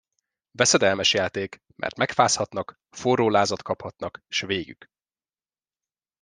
Veszedelmes játék, mert megfázhatnak, forrólázat kaphatnak, s végük.